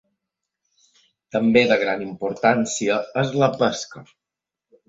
També de gran importància és la pesca.